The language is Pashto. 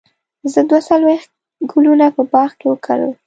زه دوه څلوېښت ګلونه په باغ کې وکرل.